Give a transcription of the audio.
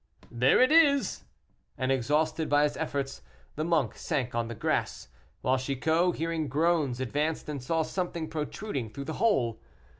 "There it is," and exhausted by his efforts, the monk sank on the grass, while Chicot, hearing groans, advanced, and saw something protruding through the hole.